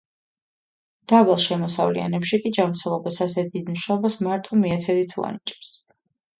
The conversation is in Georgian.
დაბალ შემოსავლიანებში კი ჯანმრთელობას ასეთ დიდ მნიშვნელობას მარტო მეათედი თუ ანიჭებს.